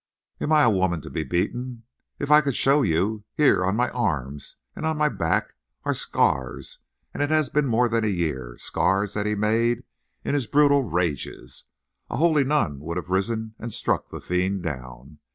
Am I a woman to be beaten? If I could show you—here on my arms, and on my back are scars—and it has been more than a year—scars that he made in his brutal rages. A holy nun would have risen and struck the fiend down.